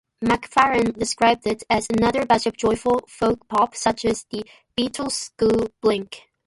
McFarlane described it as "another batch of joyful folk-pop such as the Beatlesque 'Blink'".